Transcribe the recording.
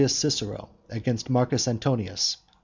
CICERO AGAINST MARCUS ANTONIUS.